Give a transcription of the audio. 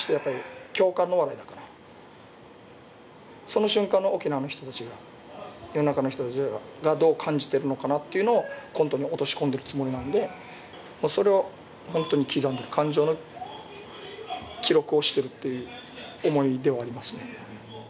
その瞬間の沖縄の人たちが、世の中の人たちがどう感じてるのかなというのをコントに落とし込んでるつもりなので、それを本当に刻む、感情の記録をしてるっていう思いではあります。